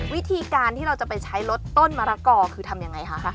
วิธีการที่เราจะไปใช้ลดต้นมะละกอคือทำยังไงคะ